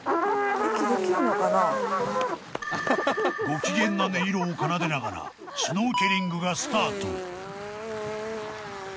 ［ご機嫌な音色を奏でながらシュノーケリングがスタート］